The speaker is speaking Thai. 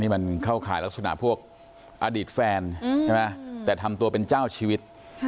มันเข้าข่ายลักษณะพวกอดีตแฟนใช่ไหมแต่ทำตัวเป็นเจ้าชีวิต